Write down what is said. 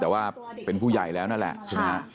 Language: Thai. แต่ว่าเป็นผู้ใหญ่แล้วนั่นแหละ